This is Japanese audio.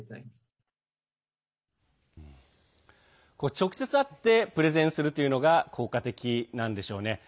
直接会ってプレゼンするというのが効果的なんでしょうね。